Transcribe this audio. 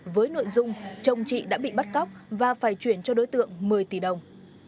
với nội dung chồng chị đã bị bắt cóc và phải chuyển cho đối tượng một mươi tỷ đồng